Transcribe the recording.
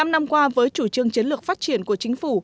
một mươi năm năm qua với chủ trương chiến lược phát triển của chính phủ